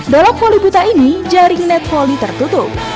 dalam voli buta ini jaring net volley tertutup